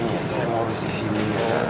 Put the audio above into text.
iya saya mau harus di sini